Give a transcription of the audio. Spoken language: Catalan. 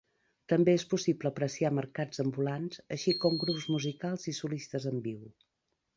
També és possible apreciar mercats ambulants així com grups musicals i solistes en viu.